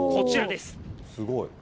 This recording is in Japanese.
すごい。